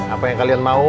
apa yang kalian mau